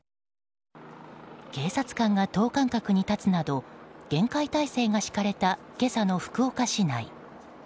警察官が等間隔に立つなど厳戒態勢が敷かれた今朝の福岡市内。